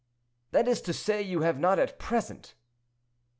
"That is to say, you have not at present."